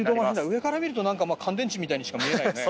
上から見ると乾電池みたいにしか見えないね。